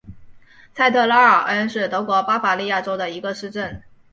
蔡特拉尔恩是德国巴伐利亚州的一个市镇。